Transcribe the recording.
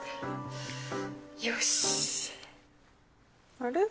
あれ？